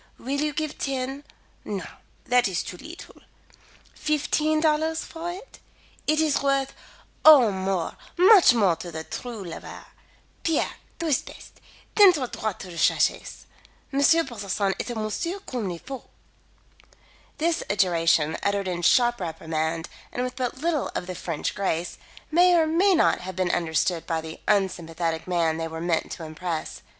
Will you give ten no, that is too leetle fifteen dollars for it? It is worth Oh, more, much more to the true lover. Pierre, tu es bete. Teins tu droit sur ta chaise. M. Brotherson est un monsieur comme il faut." This adjuration, uttered in sharp reprimand and with but little of the French grace, may or may not have been understood by the unsympathetic man they were meant to impress.